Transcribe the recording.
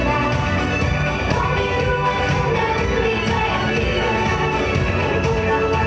อาจจะจัดบอกต่อที่ยอดโลยู่